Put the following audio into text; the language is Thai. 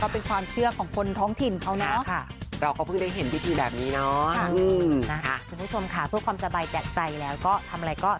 เพื่อเพื่อความสบายใจของเรา